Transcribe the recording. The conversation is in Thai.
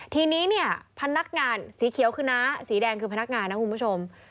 ทีนี้เนี่ยพนักงานสีเขียวคือน้าสีแดงคือพนักงานนะคุณผู้ชม